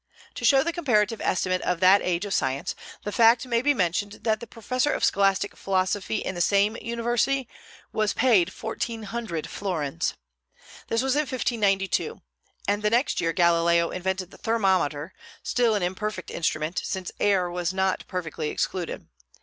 To show the comparative estimate of that age of science, the fact may be mentioned that the professor of scholastic philosophy in the same university was paid fourteen hundred florins. This was in 1592; and the next year Galileo invented the thermometer, still an imperfect instrument, since air was not perfectly excluded.